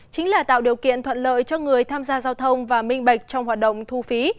chính là tạo điều kiện thuận lợi cho người tham gia giao thông và minh bạch trong hoạt động thu phí